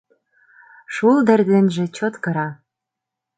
Шулдыр денже чот кыра